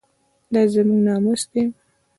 دا زموږ ناموس دی